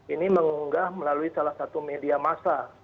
ini mengunggah melalui salah satu media massa